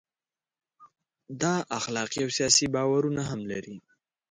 دا اخلاقي او سیاسي باورونه هم لري.